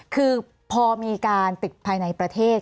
คือพอมีการติดภายในประเทศ